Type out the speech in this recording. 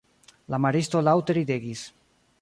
La maristo laŭte ridegis.